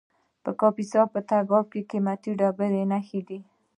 د کاپیسا په تګاب کې د قیمتي ډبرو نښې دي.